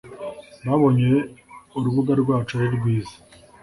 babonye urubuga rwacu arirwiza